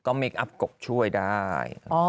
ก็เมคอัพกรกช่วยได้